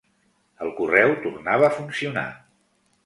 El correu tornava a funcionar